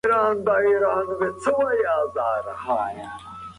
آيا ځوانان د خپلو پلرونو فکر مطالعه کوي؟